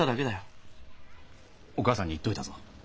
お母さんに言っといたぞ。